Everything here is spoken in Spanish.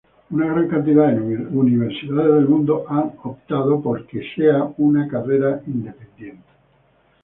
Una gran cantidad de universidades del mundo han optado porque sea una carrera independiente.